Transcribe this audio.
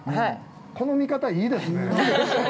この見方いいですね。